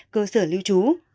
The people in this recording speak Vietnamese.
cơ sở lưu trú